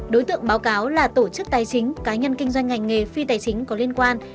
đối tượng báo cáo là tổ chức tài chính cá nhân kinh doanh ngành nghề phi tài chính có liên quan